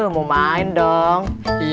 mau main dong